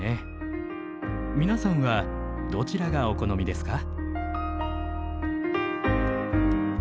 皆さんはどちらがお好みですか？